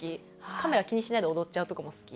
カメラ気にしないで踊っちゃうとこも好き。